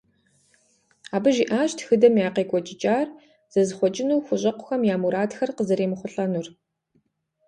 Абы жиӀащ тхыдэм и къекӀуэкӀыкӀар зэзыхъуэкӀыну хущӀэкъухэм я мурадхэр къазэремыхъулӀэнур.